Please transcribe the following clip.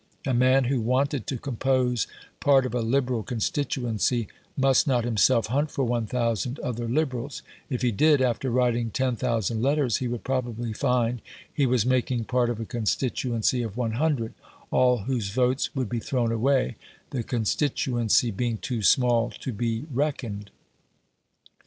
A man who wanted to compose part of a Liberal constituency must not himself hunt for 1000 other Liberals; if he did, after writing 10000 letters, he would probably find he was making part of a constituency of 100, all whose votes would be thrown away, the constituency being too small to be reckoned.